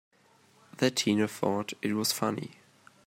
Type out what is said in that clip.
That Tina thought it was funny!